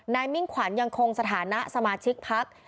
นายมิ่งขวัญยังคงสถานะสมาชิกภักดิ์